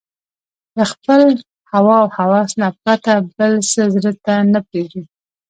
له خپل هوى او هوس نه پرته بل څه زړه ته نه پرېږدي